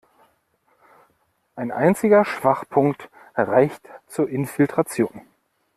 Ein einziger Schwachpunkt reicht zur Infiltration.